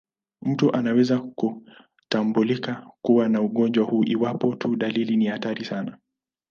Mtu anaweza kutambulika kuwa na ugonjwa huu iwapo tu dalili ni hatari sana.